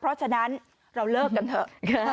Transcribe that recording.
เพราะฉะนั้นเราเลิกกันเถอะ